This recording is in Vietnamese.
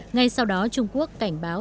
ngay sau đó trung quốc cảnh báo